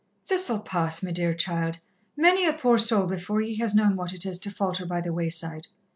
"This'll pass, me dear child. Many a poor soul before ye has known what it is to falter by the wayside.